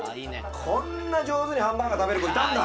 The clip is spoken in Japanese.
こんな上手にハンバーガー食べる子いたんだ